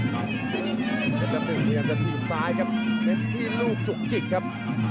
เพชรน้ำที่รูปจุกจิกครับ